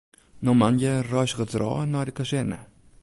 No moandei reizget er ôf nei de kazerne.